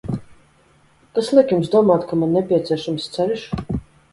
Kas liek Jums domāt, ka man nepieciešams ceļš?